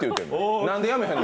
何でやめへんの！